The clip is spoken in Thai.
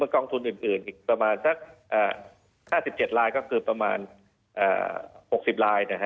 กองทุนอื่นอีกประมาณสัก๕๗ลายก็คือประมาณ๖๐ลาย